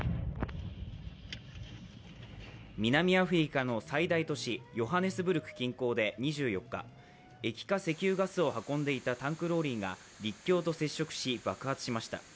南アフリカの最大都市、ヨハネスブルク近郊で２４日、液化石油ガスを運んでいたタンクローリーが陸橋と接触し、爆発しました。